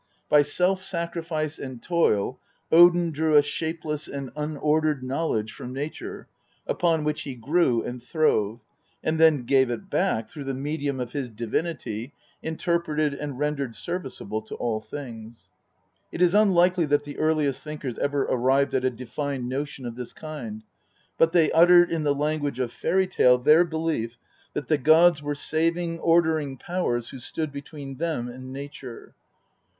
By self sacrifice and toil Odin drew a shapeless and unordered knowledge from nature upon which he grew and throve, and then gave it back through the medium of his divinity interpreted and rendered serviceable to all beings. It is unlikely that the earliest thinkers ever arrived at a defined notion of this kind, but they uttered in the language of fairy tale their belief that the gods were saving, ordering powers who stood between them and nature.